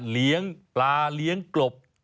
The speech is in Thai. เลี้ยงปลาเลี้ยงกลบ